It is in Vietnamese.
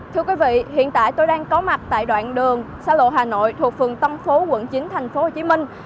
thưa quý vị hiện tại tôi đang có mặt tại đoạn đường xa lộ hà nội thuộc phường tâm phố quận chín tp hcm